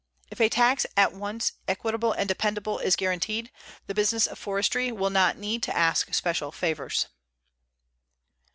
_If a tax at once equitable and dependable is guaranteed, the business of forestry will not need to ask special favors.